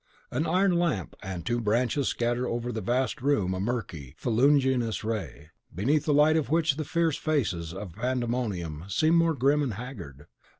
An iron lamp and two branches scatter over the vast room a murky, fuliginous ray, beneath the light of which the fierce faces of that Pandemonium seem more grim and haggard.